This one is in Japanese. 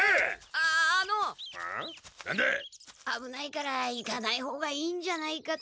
あぶないから行かない方がいいんじゃないかと。